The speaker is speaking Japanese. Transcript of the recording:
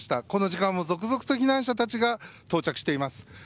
この時間も続々と避難者たちが到着しています。